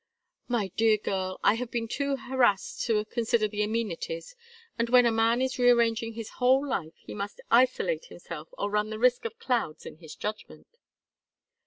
"My dear girl, I have been too harassed to consider the amenities. And when a man is rearranging his whole life he must isolate himself or run the risk of clouds in his judgment."